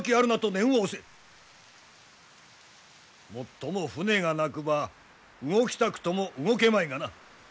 もっとも船がなくば動きたくとも動けまいがな。